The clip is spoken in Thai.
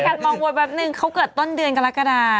ทางการมองบ่อยแบบนึงเขาเกิดต้นเดือนกรกฎา